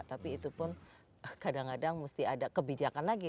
tapi itu pun kadang kadang mesti ada kebijakan lagi